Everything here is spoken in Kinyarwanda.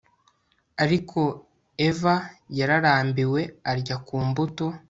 Ariko Eva yararambiwe arya ku mbuto